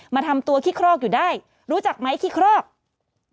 มาทำตัวขี้เคราะห์อยู่ได้รู้จักไหมขี้เคราะห์